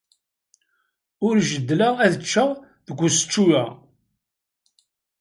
Ur jeddleɣ ad ččeɣ deg usečču-a.